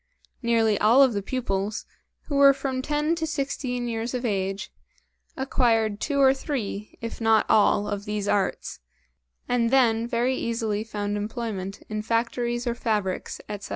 Nearly all of the pupils, who were from ten to sixteen years of age, acquired two or three, if not all, of these arts, and then very easily found employment in factories or fabrics, etc.